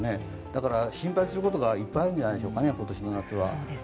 だから心配することがいっぱいあるんじゃないですかね、今年の夏は。